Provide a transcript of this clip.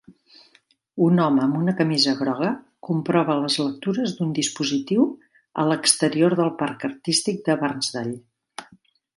Un home amb una camisa groga comprova les lectures d'un dispositiu a l'exterior del parc artístic de Barnsdall.